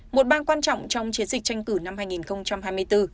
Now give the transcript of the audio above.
một bang quan trọng trong chiến dịch tranh cử năm hai nghìn hai mươi bốn